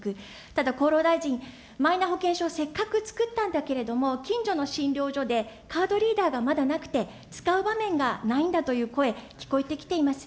ただ、厚労大臣、マイナ保険証、せっかく作ったんだけれども、近所の診療所でカードリーダーがまだなくて、使う場面がないんだという声、聞こえてきています。